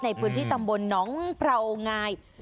ในพื้นที่ตำบลหนองพราวงาย